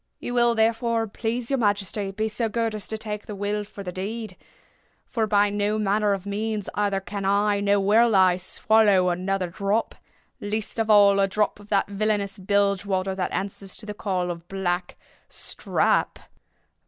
You will, therefore, please your majesty, be so good as to take the will for the deed—for by no manner of means either can I or will I swallow another drop—least of all a drop of that villainous bilge water that answers to the name of 'Black Strap.